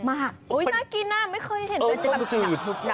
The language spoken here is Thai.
น่ากินน่าไม่เคยเห็น